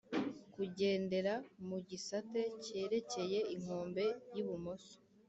Kugendera mu gisate kerekeye inkombe y’ibumoso